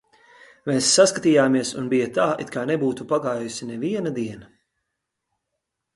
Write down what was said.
Mēs saskatījāmies, un bija tā, it kā nebūtu pagājusi neviena diena.